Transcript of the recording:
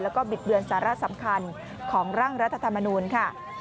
แล้วก็บิดเบือนสาระสำคัญของร่างรัฐธรรมนูลค่ะ